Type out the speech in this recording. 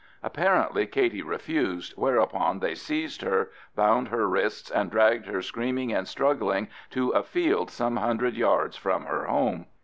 Apparently Katey refused, whereupon they seized her, bound her wrists, and dragged her screaming and struggling to a field some hundred yards from her home.